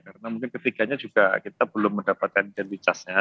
karena mungkin ketiganya juga kita belum mendapatkan daily charge ya